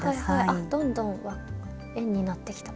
あっどんどん円になってきた。